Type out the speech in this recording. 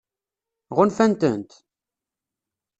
Ɣunfant-tent?